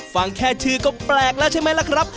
ฟังแค่ชื่อก็แปลกละครับ